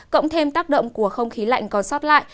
cộng thêm tác động của không khí lạnh còn sót lại